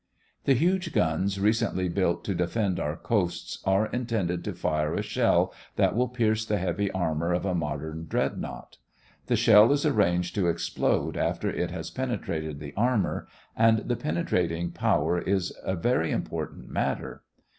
The huge guns recently built to defend our coasts are intended to fire a shell that will pierce the heavy armor of a modern dreadnought. The shell is arranged to explode after it has penetrated the armor, and the penetrating power is a very important matter.